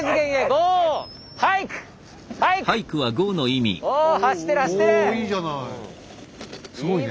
おいいじゃない。